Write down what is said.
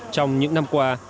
trong những năm qua